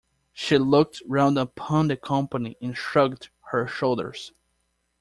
She looked round upon the company and shrugged her shoulders.